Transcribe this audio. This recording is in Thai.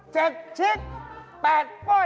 เจ็กชิค